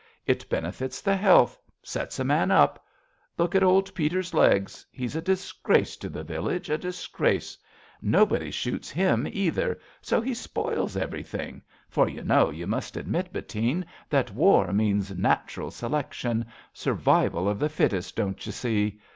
It benefits the health. Sets a man up. Look at old Peter's legs. He's a disgrace to the village, a dis grace ! Nobody shoots him either, so he spoils Everything ; for you know, you must admit, 46 A BELGIAN CHRISTMAS EVE Bettine, that war means natural selection — Survival of the fittest, don't you see?